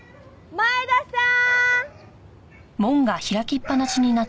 前田さーん！